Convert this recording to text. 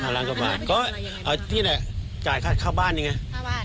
ห้าร้านกว่าบาทอันนี้เป็นทำอะไรยังไงบ้างอ่ะที่แหละจ่ายค่าข้าวบ้านอย่างเงี้ย